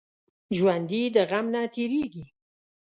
ژوندي د غم نه تېریږي